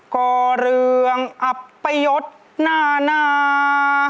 ก่อเรืองอัปยศหน้านา